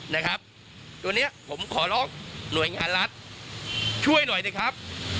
นะครับตัวเนี้ยผมขอร้องหน่วยงานรัฐช่วยหน่อยนะครับ